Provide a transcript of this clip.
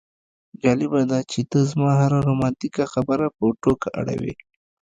جالبه ده چې ته زما هره رومانتیکه خبره په ټوکه اړوې